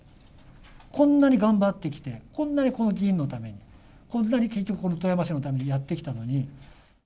こんなに頑張ってきて、こんなに議員のために、こんなに富山市のためにやってきたのに。